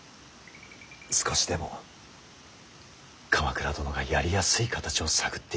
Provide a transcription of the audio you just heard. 少しでも鎌倉殿がやりやすい形を探っているのです。